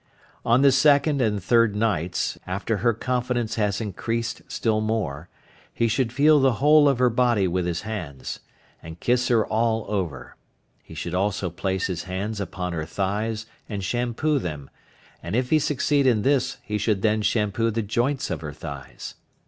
On the second and third nights, after her confidence has increased still more, he should feel the whole of her body with his hands, and kiss her all over; he should also place his hands upon her thighs and shampoo them, and if he succeed in this he should then shampoo the joints of her thighs.